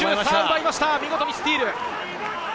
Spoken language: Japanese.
見事にスティール。